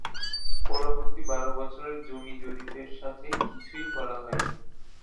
পরবর্তী বারো বছরে জমি জরিপের সাথে কিছুই করা হয়নি।